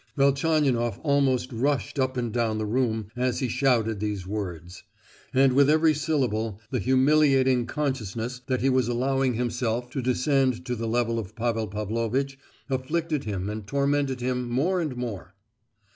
Velchaninoff almost rushed up and down the room as he shouted the above words; and with every syllable the humiliating consciousness that he was allowing himself to descend to the level of Pavel Pavlovitch afflicted him and tormented him more and more!